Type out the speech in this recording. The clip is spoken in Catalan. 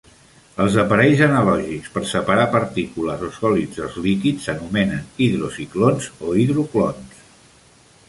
Els aparells analògics per separar partícules o sòlids dels líquids s'anomenen hidrociclons o hidroclons.